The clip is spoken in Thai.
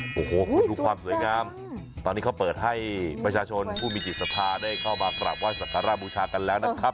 โอ้โหคุณดูความสวยงามตอนนี้เขาเปิดให้ประชาชนผู้มีจิตศรัทธาได้เข้ามากราบไห้สักการะบูชากันแล้วนะครับ